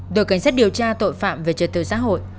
đội cảnh sát điều tra tội phạm về trật tự xã hội